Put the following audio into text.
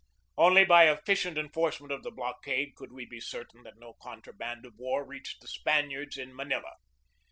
Only by efficient enforcement of the blockade could we be certain that no contraband of war reached the Spaniards in Manila.